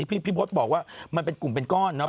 พี่พศบอกว่ามันเป็นกลุ่มเป็นก้อนเนาะ